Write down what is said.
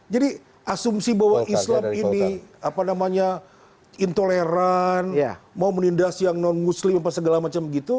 jadi asumsi bahwa islam ini intoleran mau menindas yang non muslim segala macam gitu